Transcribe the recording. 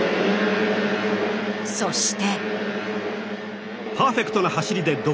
そして。